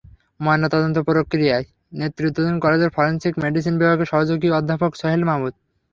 ময়নাতদন্ত প্রক্রিয়ায় নেতৃত্ব দেন কলেজের ফরেনসিক মেডিসিন বিভাগের সহযোগী অধ্যাপক সোহেল মাহমুদ।